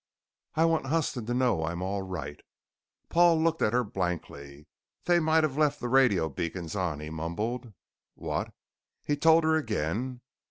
"I want Huston to know I'm all right." Paul looked at her blankly. "They might have left the radio beacons on," he mumbled. "What?" He told her again.